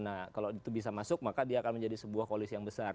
nah kalau itu bisa masuk maka dia akan menjadi sebuah koalisi yang besar